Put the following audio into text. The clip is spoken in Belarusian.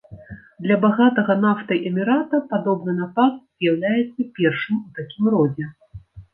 Для багатага нафтай эмірата падобны напад з'яўляецца першым у такім родзе.